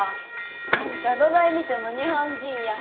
あんたどない見ても日本人や。